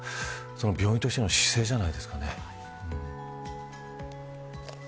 病院としての姿勢じゃないですかね。